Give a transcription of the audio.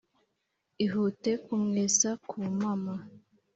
Ihuta kumwesa ku mpama